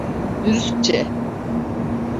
Dürüstçe.